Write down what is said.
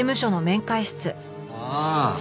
ああ。